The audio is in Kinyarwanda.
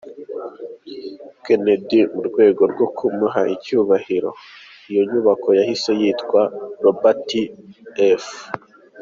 Kennedy mu rwego rwo kumuha icyubahiro, iyo nzu yahise yitwa Robert F.